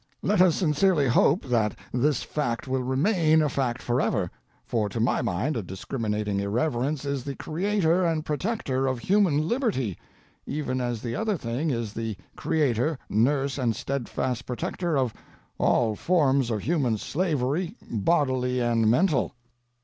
Let us sincerely hope that this fact will remain a fact forever: for to my mind a discriminating irreverence is the creator and protector of human liberty—even as the other thing is the creator, nurse, and steadfast protector of all forms of human slavery, bodily and mental.